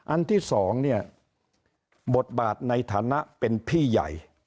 อันที่สองเนี่ยบทบาทในฐานะเป็นพี่ใหญ่